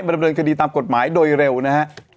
บรรยบริเวณคดีตามกฎหมายโดยเร็วนะฮะ